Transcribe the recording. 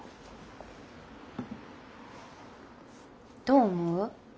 どう思う？